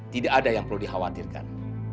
tidak ada yang perlu dikhawatirkan